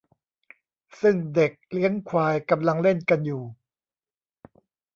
ซึ่งเด็กเลี้ยงควายกำลังเล่นกันอยู่